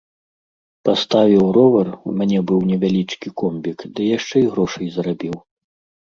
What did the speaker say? Паставіў ровар, у мяне быў невялічкі комбік, дык яшчэ і грошай зарабіў.